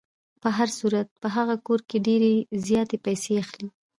په هر صورت په هغه کور کې ډېرې زیاتې پیسې اخلي.